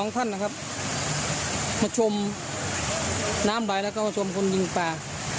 ๒ท่านนะครับผู้ชมน้ำไบและก็ผู้ชมคนยิงปลา